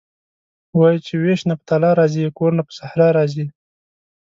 وايي چې وېش نه په تالا راضي یې کور نه په صحرا راضي یې..